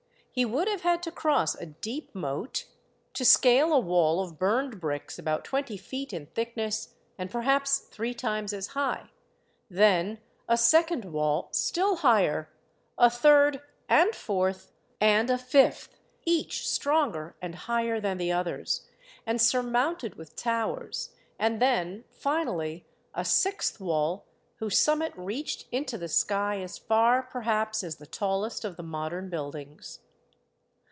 He would have had to cross a deep moat, to scale a wall of burned bricks about twenty feet in thickness and perhaps three times as high, then a second wall still higher, a third and fourth and a fifth, each stronger and higher than the others, and surmounted with towers, and then finally a sixth wall whose summit reached into the sky as far, perhaps, as the tallest of the modern buildings.